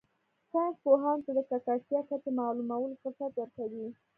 ساینس پوهانو ته د ککړتیا کچه معلومولو فرصت ورکوي